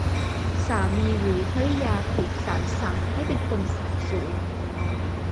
สามีหรือภริยาถูกศาลสั่งให้เป็นคนสาบสูญ